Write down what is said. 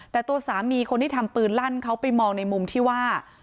แต่ตัวสามีคนที่ทำปืนลั่นเขาไปมองในมุมที่ว่า